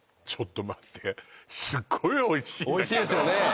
ちょっと待っておいしいですよね